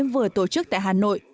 vừa tổ chức tại hà nội